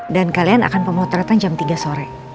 dan kalian akan pemotretan jam tiga sore